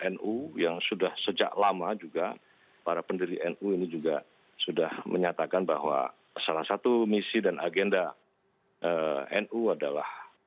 nu yang sudah sejak lama juga para pendiri nu ini juga sudah menyatakan bahwa salah satu misi dan agenda nu adalah